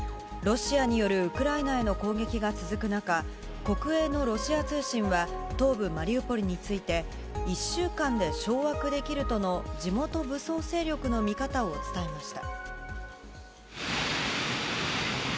ロシアによるウクライナへの攻撃が続く中国営のロシア通信は東部マリウポリについて１週間で掌握できるとの地元武装勢力の見方を伝えました。